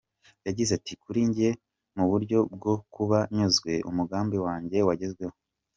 Yagize ati “Kuri njye, mu buryo bwo kuba nyuzwe, umugambi wanjye wagezweho.